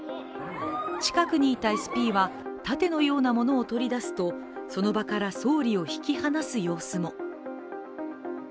近くにいたＳＰは盾のようなものを取り出すとその場から総理を引き離す様子も。